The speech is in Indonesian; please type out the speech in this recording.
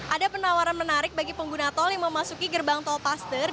ada penawaran menarik bagi pengguna tol yang memasuki gerbang tol paster